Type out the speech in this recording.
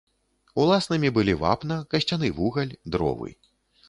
Уласнымі былі вапна, касцяны вугаль, дровы.